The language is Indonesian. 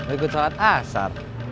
ikut shalat asar